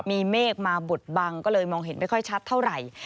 มีเมฆมาบดบังก็เลยมองเห็นไม่ค่อยชัดเท่าไหร่